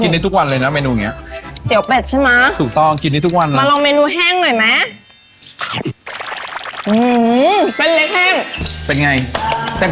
ขณะทิ้งไว้นะเส้นยังไม่อืดเลยเหรอ